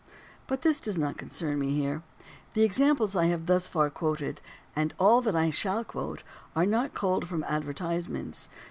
But this does not concern me here. The examples I have thus far quoted and all that I shall quote are not culled from advertisements.